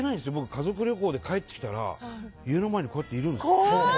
家族旅行で帰ってきたら家の前にいるんですよ。